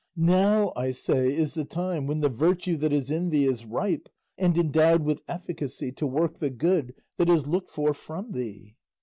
Now, I say, is the time when the virtue that is in thee is ripe, and endowed with efficacy to work the good that is looked for from thee."